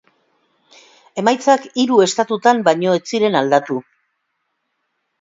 Emaitzak hiru estatutan baino ez ziren aldatu.